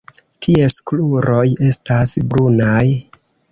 Ties kruroj estas brunaj.